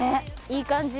いい感じ。